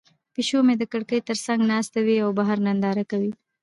پیشو مې د کړکۍ تر څنګ ناسته وي او بهر ننداره کوي.